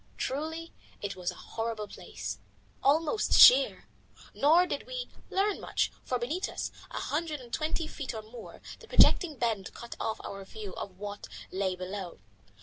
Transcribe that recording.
Truly it was a horrible place, almost sheer, nor did we learn much, for beneath us, a hundred and twenty feet or more, the projecting bend cut off our view of what lay below.